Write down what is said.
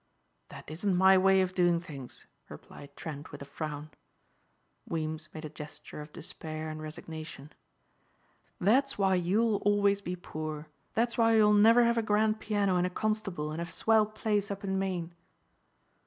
"That isn't my way of doing things," replied Trent with a frown. Weems made a gesture of despair and resignation. "That's why you'll always be poor. That's why you'll never have a grand piano and a Constable and a swell place up in Maine."